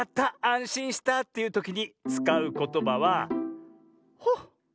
あんしんしたというときにつかうことばはホッ。